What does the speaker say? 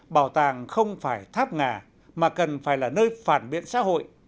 bảo tàng không phải tháp ngà mà cần phải là nơi phản biện xã hội